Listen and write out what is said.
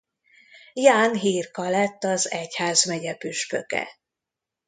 Ján Hirka lett az egyházmegye püspöke.